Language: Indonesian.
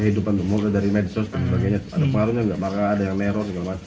kehidupan umur dari medsos dan sebagainya